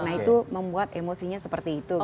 nah itu membuat emosinya seperti itu